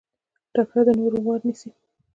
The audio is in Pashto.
تکړه د نورو وار نيسي.